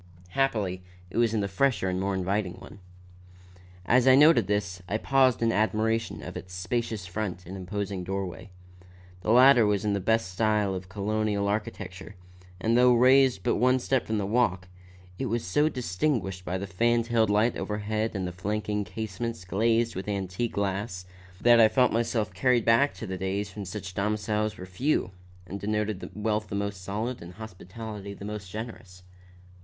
Happily it was in the fresher and more inviting one. As I noted this, I paused in admiration of its spacious front and imposing doorway. The latter was in the best style of Colonial architecture, and though raised but one step from the walk, was so distinguished by the fan tailed light overhead and the flanking casements glazed with antique glass, that I felt myself carried back to the days when such domiciles were few and denoted wealth the most solid, and hospitality the most generous.